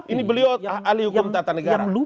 ini beliau ahli hukum tata negara